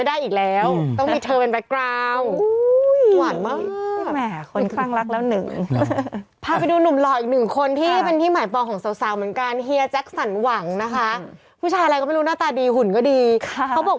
แนน๑๒มีใครอีก